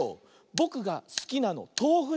「ぼくがすきなのとうふです」